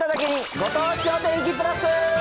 ご当地お天気プラス。